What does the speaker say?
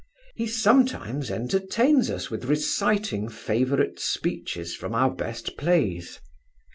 He sometimes entertains us with reciting favourite speeches from our best plays.